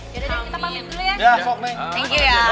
terima kasih ya